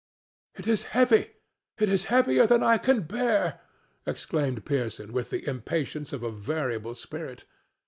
"It is heavy! It is heavier than I can bear!" exclaimed Pearson, with the impatience of a variable spirit.